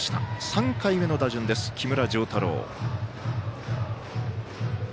３回目の打順です、木村星太朗。